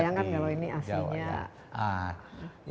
bayangkan kalau ini aslinya